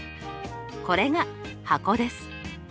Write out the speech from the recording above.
これが箱です。